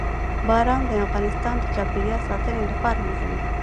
باران د افغانستان د چاپیریال ساتنې لپاره مهم دي.